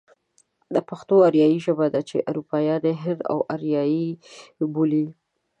پښتو آريايي ژبه ده چې اروپايان يې هند و آريايي بولي.